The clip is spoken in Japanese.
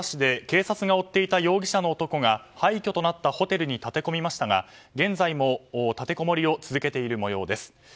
警察が追っていた容疑者の男が廃虚となったホテルに立てこもりましたが現在も立てこもりを続けている模様です。